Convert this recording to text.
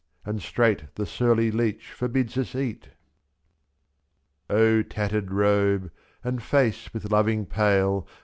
And straight the surly leech forbids us eat. O tattered robe, and face with loving pale.